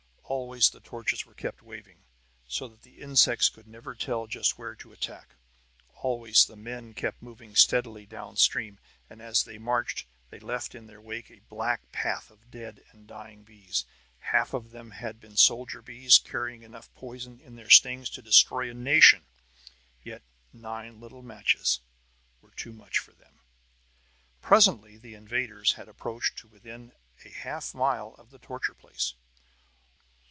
Always the torches were kept waving, so that the insects never could tell just where to attack. Always the men kept moving steadily down stream; and as they marched they left in their wake a black path of dead and dying bees. Half of them had been soldier bees, carrying enough poison in their stings to destroy a nation. Yet, nine little matches were too much for them! Presently the invaders had approached to within a half mile of the torture place.